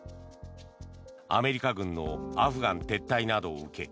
アメリカ軍のアフガン撤退などを受け